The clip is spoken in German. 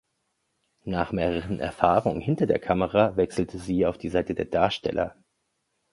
Nach mehreren Erfahrungen hinter der Kamera wechselte sie auf die Seite der Darsteller.